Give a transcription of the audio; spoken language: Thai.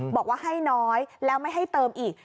บอกว่าให้น้อยแล้วไม่ให้เติมอีก